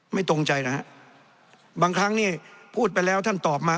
ตรงใจนะฮะบางครั้งเนี่ยพูดไปแล้วท่านตอบมา